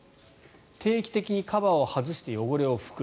定期的にカバーを外して汚れを拭く。